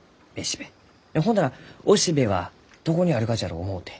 ほんなら雄しべはどこにあるがじゃろう思うて。